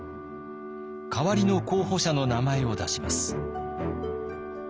代わりの候補者の名前を出します。